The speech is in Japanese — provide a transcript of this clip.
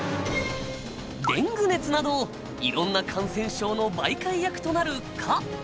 デング熱など色んな感染症の媒介役となる蚊。